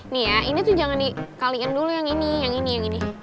nih ya ini tuh jangan dikaliin dulu yang ini yang ini yang ini